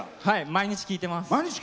毎日聴いてます。